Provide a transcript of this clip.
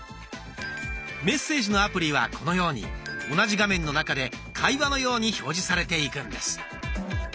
メッセージのアプリはこのように同じ画面の中で会話のように表示されていくんです。